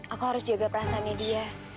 aku harus jaga perasaannya dia